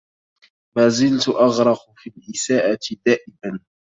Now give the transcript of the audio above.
مازلت أغرق في الإساءة دائبا